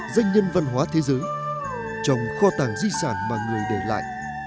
doanh nhân văn hóa thế giới trồng kho tàng di sản mà người để lại